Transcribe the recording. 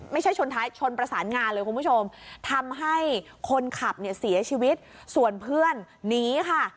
ชนท้ายชนประสานงานเลยคุณผู้ชมทำให้คนขับเนี่ยเสียชีวิตส่วนเพื่อนหนีค่ะ